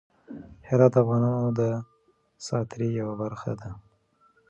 هرات د افغانانو د معیشت یوه سرچینه ده.